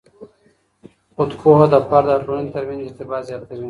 خود پوهه د فرد او ټولنې ترمنځ ارتباط زیاتوي.